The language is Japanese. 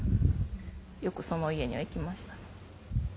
よくその家には行きました。